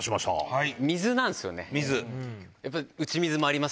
はい。